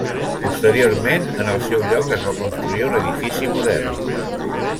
Posteriorment, en el seu lloc es va construir un edifici modern.